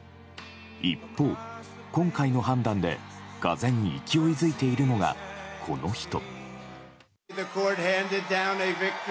一方、今回の判断で俄然勢いづいているのが、この人。